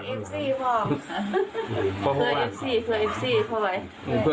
เพื่อเอฟซี่เพื่อเอฟซี่เพื่อเอฟซี่